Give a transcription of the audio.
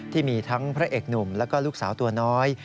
ที่มีทั้งพระเอกหนุ่มแล้วก็ลูกสาวตัวน้อย